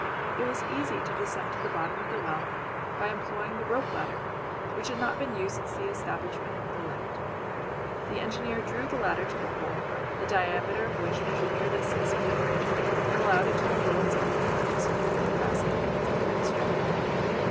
It was easy to descend to the bottom of the well by employing the rope ladder which had not been used since the establishment of the lift. The engineer drew the ladder to the hole, the diameter of which measured nearly six feet, and allowed it to unroll itself after having securely fastened its upper extremity.